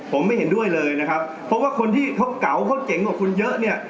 ผมไม่เห็นด้วยเลยนะครับเพราะว่าคนที่เขาเก๋าเขาเจ๋งกว่าคุณเยอะเนี่ย